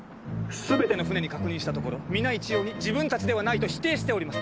全ての船に確認したところ皆一様に自分たちではないと否定しております。